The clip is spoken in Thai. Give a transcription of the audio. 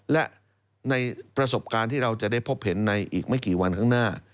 และในประสบการณ์ที่เราจะได้พบเห็นในอีกไม่กี่วันข้างหน้า